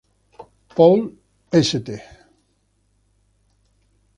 Paul St.